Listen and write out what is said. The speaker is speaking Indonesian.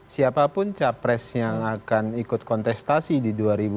siapapun capres yang akan ikut kontestasi di dua ribu dua puluh